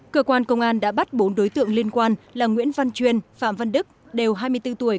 cơ quan công an đã bắt bốn đối tượng liên quan là nguyễn văn chuyên phạm văn đức đều hai mươi bốn tuổi